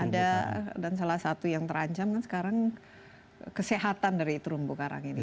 ada dan salah satu yang terancam kan sekarang kesehatan dari terumbu karang ini